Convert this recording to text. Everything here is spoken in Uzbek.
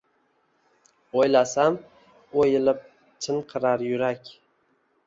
Oʼylasam, oʼyilib chinqirar yurak.